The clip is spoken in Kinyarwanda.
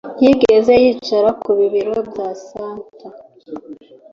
yigeze yicara ku bibero bya santa